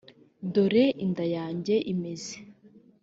dore inda yanjye imeze